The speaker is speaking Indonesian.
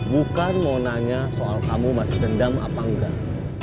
bukan mau nanya soal kamu masih dendam apa enggak